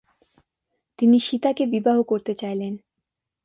তিনি সীতাকে বিবাহ করতে চাইলেন।